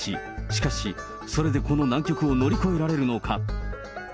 しかし、それでこの難局を乗り越えられるのか。